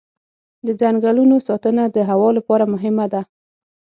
د ځنګلونو ساتنه د هوا لپاره مهمه ده.